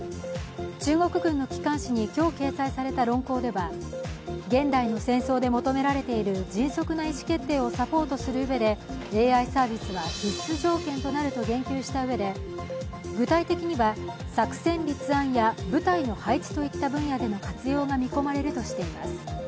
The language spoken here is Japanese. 中国軍の機関誌に今日掲載された論考では現代の戦争で求められている迅速な意思決定をサポートするうえでＡＩサービスは必須条件となると言及したうえで具体的には作戦立案や部隊の配置といった分野での活用が見込まれるとしています。